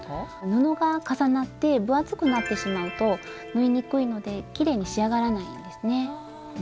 布が重なって分厚くなってしまうと縫いにくいのできれいに仕上がらないんですね。